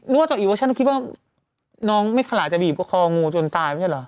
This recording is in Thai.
รู้จักอีกออปชั่นคิดว่าน้องไม่คลาลจะบีบคองูจนตายไม่ใช่เหรอ